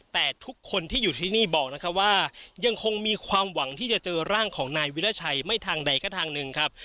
แต่ทุกคนที่อยู่ที่นี่บอกนะครับว่ายังคงมีความหวังที่จะเจอร่างของนายวิราชัยไม่ทางใดก็ทางหนึ่งครับ